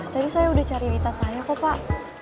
tadi saya sudah cari di tas saya kok pak